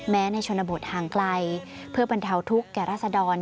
ในชนบทห่างไกลเพื่อบรรเทาทุกข์แก่ราษดร